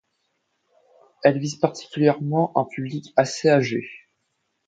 Elle vise particulièrement un public assez âgé.